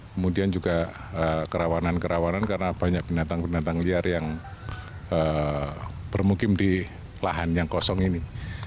kemudian juga kerawanan kerawanan karena banyak binatang binatang liar yang bermukim di lahan yang kosong ini